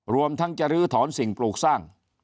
รวมทั้งจะลื้อถอนสิ่งปลูกสร้าง